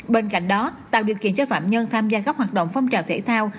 bên cạnh đó tạo điều kiện cho phạm nhân tham gia các hoạt động phong trào thể thao